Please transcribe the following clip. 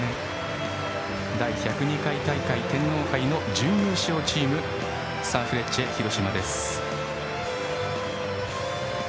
第１０２回大会天皇杯の準優勝チームサンフレッチェ広島です。